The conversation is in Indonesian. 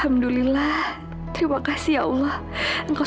kamu semua k sambil zegi bangku